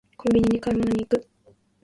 コンビニに買い物に行く